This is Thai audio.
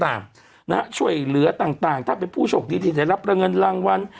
นะฮะช่วยเหลือต่างถ้าเป็นผู้โชคดีที่ได้รับเงินรางวัล